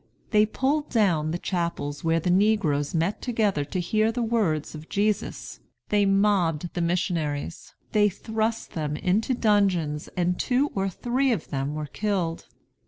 They pulled down the chapels where the negroes met together to hear the words of Jesus; they mobbed the missionaries, they thrust them into dungeons, and two or three of them were killed.